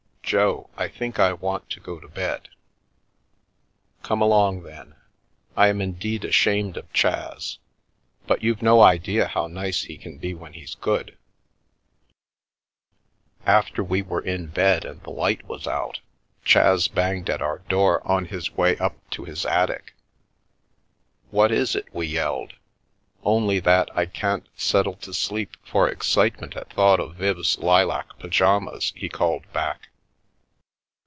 Jo, I think I want to go to bed." " Come along, then. I am indeed ashamed of Chas. But you've no idea how nice he can be when he's good/' After we were in bed and the light was out, Chas banged at our door on his way up to his attic. What is it ?" we yelled. Only that I can't settle to sleep for excitement at thought of Viv's lilac pyjamas !" he called back.